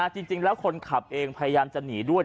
จริงแล้วคนขับเองพยายามจะหนีด้วย